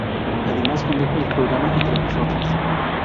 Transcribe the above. Además, condujo el programa ‘Entre nosotras’.